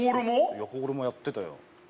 いやホールもやってたよ